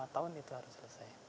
lima tahun itu harus selesai